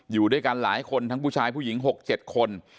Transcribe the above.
อยู่ด้วยกันหลายคนทั้งผู้ชายผู้หญิง๖๗คน